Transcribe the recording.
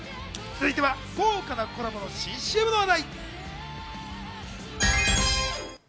続いては、豪華なコラボの新ＣＭの話題。